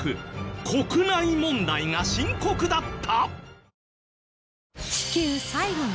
国内問題が深刻だった！？